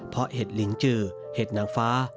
เพราะเห็ดลิงจือเห็ดนางฟ้า